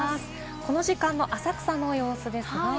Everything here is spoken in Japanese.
この時間の浅草の様子です。